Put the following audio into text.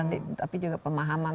tapi juga pemahaman